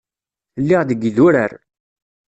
Lliɣ deg idurar.